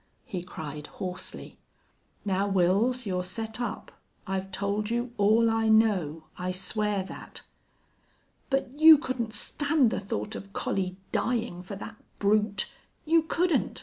he cried, hoarsely. "Now, Wils, you're set up. I've told you all I know. I swear that." "But you couldn't stand the thought of Collie dying for that brute! You couldn't!